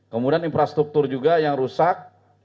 kemudian infrastruktur juga yang rusak